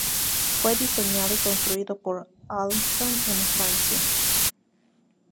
Fue diseñado y construido por Alstom en Francia.